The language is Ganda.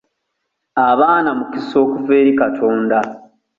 Abaana mukisa okuva eri Katonda.